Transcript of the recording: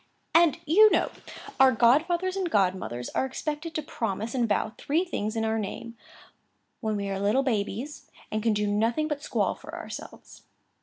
"And, you know, our godfathers and godmothers are expected to promise and vow three things in our name, when we are little babies, and can do nothing but squall for ourselves.